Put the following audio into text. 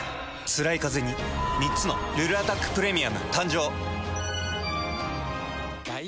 つらいカゼに３つの「ルルアタックプレミアム」誕生。